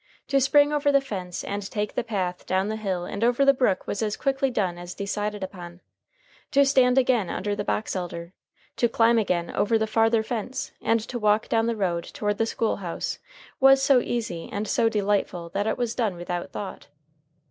To spring over the fence and take the path down the hill and over the brook was as quickly done as decided upon. To stand again under the box elder, to climb again over the farther fence, and to walk down the road toward the school house was so easy and so delightful that it was done without thought.